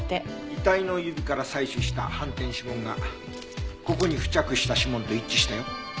遺体の指から採取した反転指紋がここに付着した指紋と一致したよ。